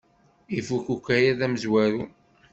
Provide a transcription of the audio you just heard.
Ifuk ukayad amezwaru!